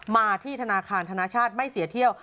มาที่ธนาคารธนชาติไม่เสียเที่ยว